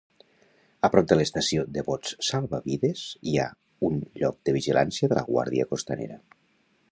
A prop de l'estació de bots salvavides hi ha un lloc de vigilància de la guàrdia costanera.